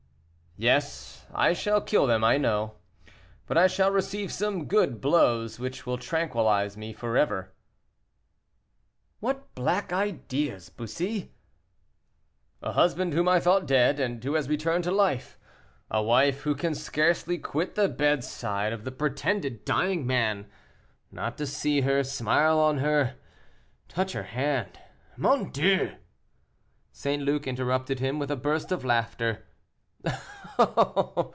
"Yes, I shall kill them, I know, but I shall receive some good blow which will tranquilize me forever." "What black ideas, Bussy!" "A husband whom I thought dead, and who has returned to life; a wife who can scarcely quit the bedside of the pretended dying man. Not to see her, smile on her, touch her hand. Mon Dieu! " St. Luc interrupted him with a burst of laughter.